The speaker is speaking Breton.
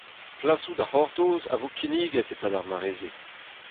Plasoù da c'hortoz a vo kinniget e-pad ar mare-se.